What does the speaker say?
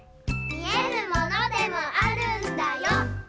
「見えぬものでもあるんだよ」